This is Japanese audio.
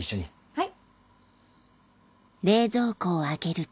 はい。